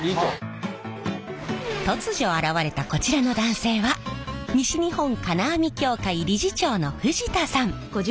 突如現れたこちらの男性は西日本金網協会理事長の藤田さん。